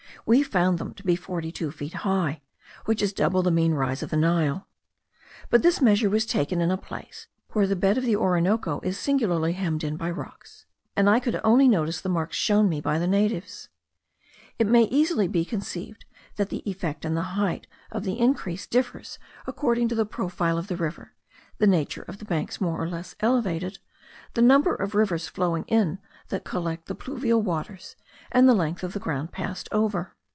We found them to be forty two feet high, which is double the mean rise of the Nile. But this measure was taken in a place where the bed of the Orinoco is singularly hemmed in by rocks, and I could only notice the marks shown me by the natives. It may easily be conceived that the effect and the height of the increase differs according to the profile of the river, the nature of the banks more or less elevated, the number of rivers flowing in that collect the pluvial waters, and the length of ground passed over.